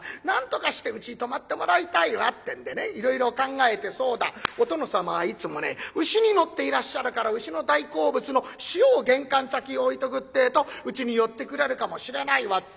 なんとかしてうちに泊まってもらいたいわ」ってんでねいろいろ考えて「そうだお殿様はいつもね牛に乗っていらっしゃるから牛の大好物の塩を玄関先へ置いとくってえとうちに寄ってくれるかもしれないわ」